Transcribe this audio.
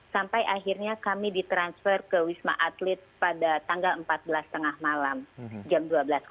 sampai akhirnya kami ditransfer ke wisma atlet pada tanggal empat belas tengah malam jam dua belas